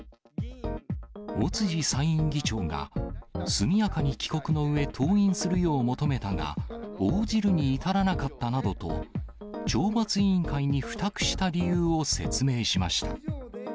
尾辻参院議長が速やかに帰国のうえ登院するよう求めたが、応じるに至らなかったなどと、懲罰委員会に付託した理由を説明しました。